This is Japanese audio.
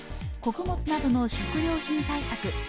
穀物などの食料品対策